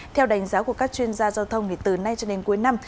theo đánh giá của các chuyên gia giao thông từ nay cho đến cuối năm